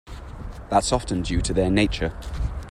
That's often due to their nature.